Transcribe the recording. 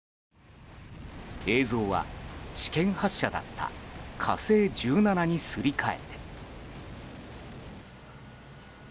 映像は試験発射だった「火星１７」にすり替えて。